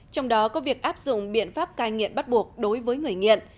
trong đó có việc áp dụng biện pháp cai nghiện bắt buộc đối với người nghiện